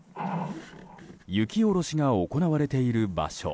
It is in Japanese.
雪下ろしが行われている場所